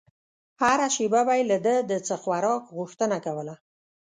هره شېبه به يې له ده د څه خوراک غوښتنه کوله.